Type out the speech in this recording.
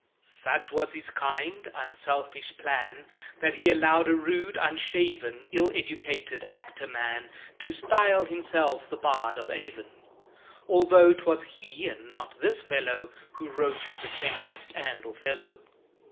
Such was his kind, unselfish plan, That he allowed a rude, unshaven, Ill educated actor man To style himself the Bard of Avon; Altho' 'twas he and not this fellow Who wrote "The Tempest" and "Othello."